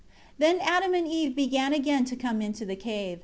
1 Then Adam and Eve began again to come into the cave.